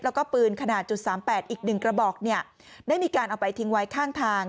แล้วก็ปืนขนาด๐๓๘อีก๑กระบอกได้มีการเอาไปทิ้งไว้ข้างทาง